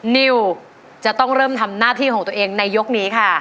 นิวจะต้องเริ่มทำหน้าที่ของตัวเองในยกนี้ค่ะ